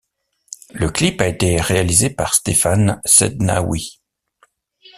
Le clip a été réalisé par Stéphane Sednaoui.